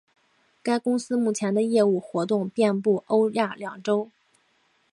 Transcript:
该公司目前的业务活动遍布欧亚两洲。